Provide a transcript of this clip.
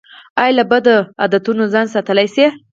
ایا له بدو عادتونو ځان ساتلی شئ؟